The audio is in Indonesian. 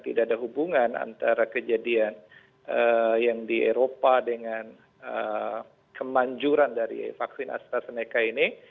tidak ada hubungan antara kejadian yang di eropa dengan kemanjuran dari vaksin astrazeneca ini